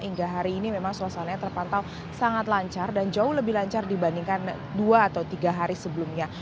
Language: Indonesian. hingga hari ini memang suasananya terpantau sangat lancar dan jauh lebih lancar dibandingkan dua atau tiga hari sebelumnya